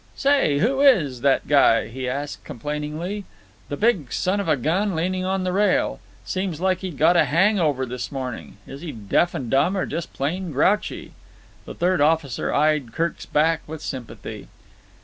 "Say, who is that guy?" he asked complainingly. "The big son of a gun leaning on the rail. Seems like he'd got a hangover this morning. Is he deaf and dumb or just plain grouchy?" The third officer eyed Kirk's back with sympathy.